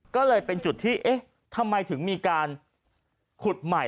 ก็เลยเป็นจุดที่เอ๊ะทำไมถึงมีการขุดใหม่